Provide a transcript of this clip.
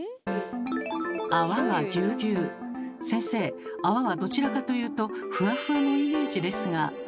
先生泡はどちらかというと「ふわふわ」のイメージですが。